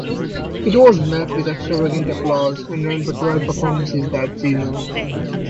It was met with "extravagant applause" and ran for twelve performances that season.